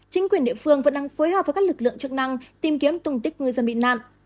chính quyền địa phương vẫn đang phối hợp với các lực lượng chức năng tìm kiếm tung tích ngư dân bị nạn